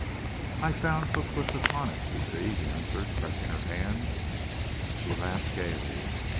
"I've found so swift a tonic, you see," he answered, pressing her hand. She laughed gayly.